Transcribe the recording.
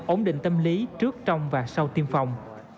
ổn định tâm lý trước trong và sau tiêm phòng